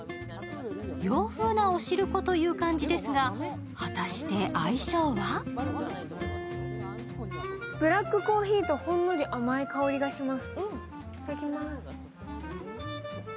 洋風なお汁粉という感じですが、果たして相性はブラックコーヒーとほんのり甘い香りがします。